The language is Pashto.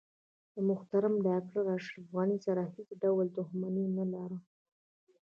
له محترم ډاکټر اشرف غني سره هیڅ ډول دښمني نه لرم.